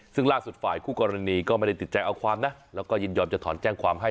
ซึ่งล่าสุดฝ่ายคู่กรณีก็ไม่ได้ติดใจเอาความนะแล้วก็ยินยอมจะถอนแจ้งความให้